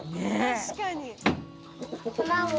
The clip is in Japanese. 確かに。